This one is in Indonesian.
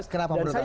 kenapa menurut anda